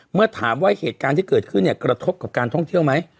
เมื่อถามว่าเหตุการณ์ที่เกิดขึ้นเนี่ยกระทบกับการท่องเที่ยวไหม